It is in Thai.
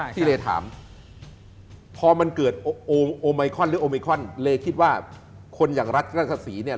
ที่เลถามพอมันเกิดโองโอไมคอนหรือโอมิคอนเลคิดว่าคนอย่างรัฐราชศรีเนี่ย